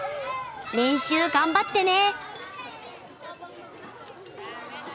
練習頑張ってね！